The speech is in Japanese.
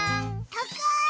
たかい！